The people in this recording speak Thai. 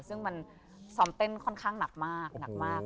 ซึ่งมันซ้อมเต้นค่อนข้างหนักมาก